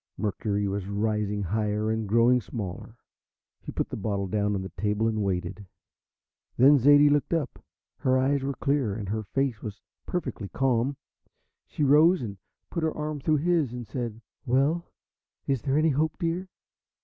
Mercury was rising higher and growing smaller. He put the bottle down on the table and waited. Then Zaidie looked up. Her eyes were clear, and her face was perfectly calm. She rose and put her arm through his, and said: "Well, is there any hope, dear?